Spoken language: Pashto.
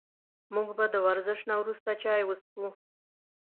موږ به د ورزش نه وروسته چای وڅښو